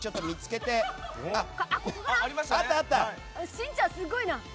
しんちゃん、すごいな。